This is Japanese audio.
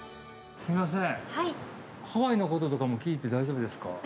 すいません。